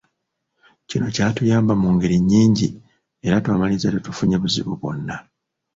Kino kyatuyamba mu ngeri nyingi era twamaliriza tetufunye buzibu bwonna.